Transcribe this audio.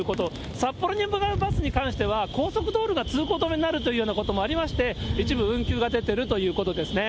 札幌に向かうバスに関しては、高速道路が通行止めになるというようなこともありまして、一部運休が出ているということですね。